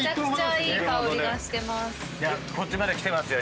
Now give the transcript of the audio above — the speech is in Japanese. こっちまで来てますよ